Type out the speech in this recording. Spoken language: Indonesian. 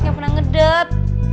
gak pernah ngedet